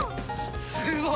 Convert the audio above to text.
すごい！